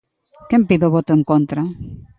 ¿Quen pide o voto en contra?